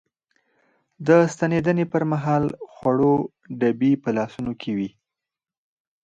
د ستنېدنې پر مهال خوړو ډبي په لاسونو کې وې.